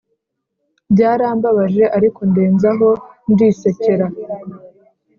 Byarambabaje ariko ndenzaho ndisekera